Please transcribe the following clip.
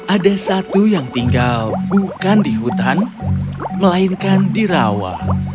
ada satu yang tinggal bukan di hutan melainkan di rawa